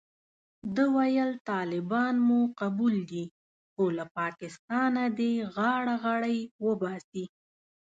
ده ویل طالبان مو قبول دي خو له پاکستانه دې غاړه غړۍ وباسي.